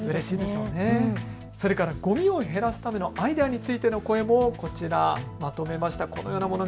それからごみを減らすアイデアについての声もまとめました。